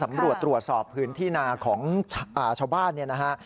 ตำรวจตรวจสอบพื้นที่นาของชาวบ้านเนี่ยนะฮะ